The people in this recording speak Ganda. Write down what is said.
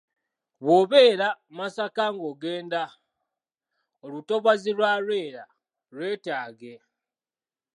"Bw’obeera Masaka ng’ogenda, olutobazi lwa Lwera lwetaage."